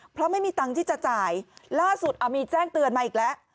เพราะไม่มีตังค์ที่จะจ่ายล่าสุดเอามีแจ้งเตือนมาอีกแล้ว